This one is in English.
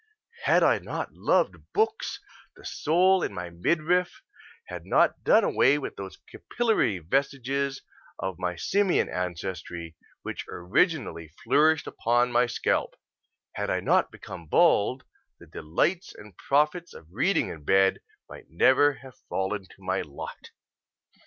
Had I not loved books, the soul in my midriff had not done away with those capillary vestiges of my simian ancestry which originally flourished upon my scalp; had I not become bald, the delights and profits of reading in bed might never have fallen to my lot.